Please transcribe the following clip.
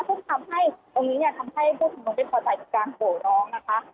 ซึ่งทำให้ตรงนี้ทำให้ผู้ชุมนมเป็นประสาทการโหลน้องนะคะ